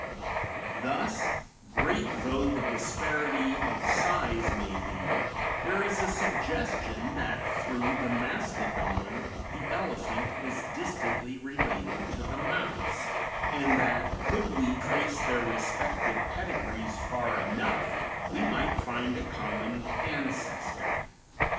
Thus, great though the disparity of size may be, there is a suggestion that through the mastodon the elephant is distantly related to the mouse, and that, could we trace their respective pedigrees far enough, we might find a common ancestor.